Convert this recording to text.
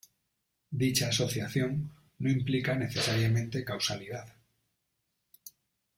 Dicha asociación no implica necesariamente causalidad.